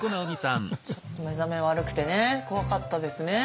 ちょっと目覚め悪くてね怖かったですね。